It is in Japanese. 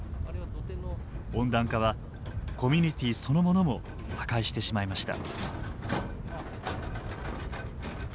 温暖化はコミュニティーそのものも破壊してしまいました。